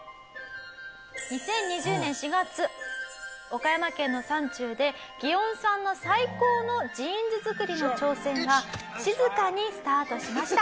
２０２０年４月岡山県の山中でギオンさんの最高のジーンズ作りの挑戦が静かにスタートしました。